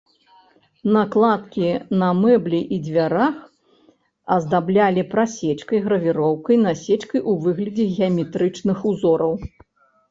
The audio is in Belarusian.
Накладкі на мэблі і дзвярах аздаблялі прасечкай, гравіроўкай, насечкай у выглядзе геаметрычных узораў.